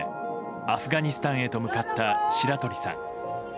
アフガニスタンへと向かった白鳥さん。